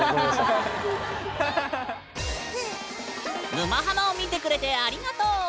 「沼ハマ」を見てくれてありがとう。